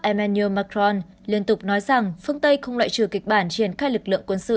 emmanu macron liên tục nói rằng phương tây không loại trừ kịch bản triển khai lực lượng quân sự